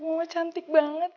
mau cantik banget